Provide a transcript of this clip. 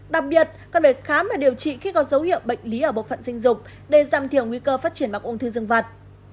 đặc biệt cần phải khám và điều trị khi có dấu hiệu bệnh lý ở bộ phận sinh dục để giảm thiểu nguy cơ phát triển bọc ung thư vặt